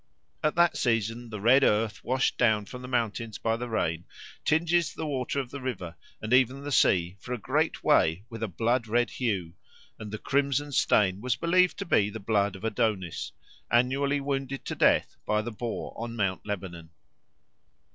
At that season the red earth washed down from the mountains by the rain tinges the water of the river, and even the sea, for a great way with a blood red hue, and the crimson stain was believed to be the blood of Adonis, annually wounded to death by the boar on Mount Lebanon.